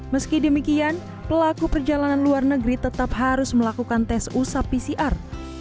meski demikian pelaku perjalanan luar negeri tetap harus melakukan tes usap pcr